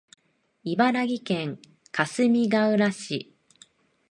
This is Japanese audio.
茨城県かすみがうら市